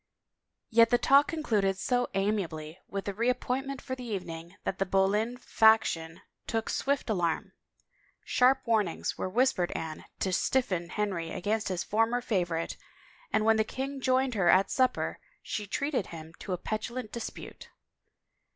yet the talk concluded so amiably 198 THE LAW'S DELAYS with a reappointment for the evening that the Boleyn fac tion took swift alarm. Sharp warnings were whispered Anne to stiffen Henry against his former favorite and when the king joined her at supper she treated him to a petulant dispute.